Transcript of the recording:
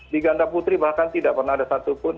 di tunggal putri bahkan tidak pernah ada satu pun